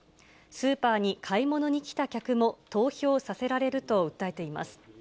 スーパーに買い物に来た客も投票させられると訴えています。